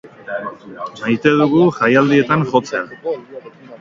Maite dugu jaialdietan jotzea.